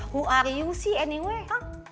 huari wc anyway hah